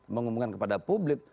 mengumumkan kepada publik